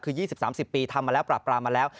คือ๒๐๓๐ปีทำมาแล้วปราบปรามมาแล้ว